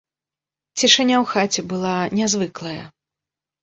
Цішыня ў хаце была нязвыклая.